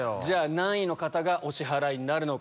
何位の方がお支払いになるのか。